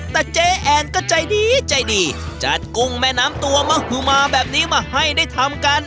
แต่เจ๊แอนก็ใจดีใจดีจัดกุ้งแม่น้ำตัวมหุมาแบบนี้มาให้ได้ทำกัน